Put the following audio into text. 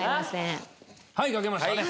はい書けましたね。